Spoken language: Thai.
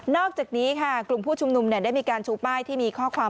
อกจากนี้ค่ะกลุ่มผู้ชุมนุมได้มีการชูป้ายที่มีข้อความ